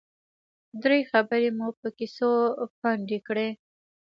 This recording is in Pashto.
ډېرې خبرې مو په کیسو پنډې کړې.